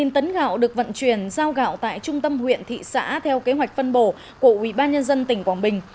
một tấn gạo được vận chuyển giao gạo tại trung tâm huyện thị xã theo kế hoạch phân bổ của ubnd tỉnh quảng bình